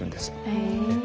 へえ。